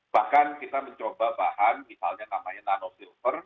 bahkan kita mencoba bahan misalnya namanya nanofil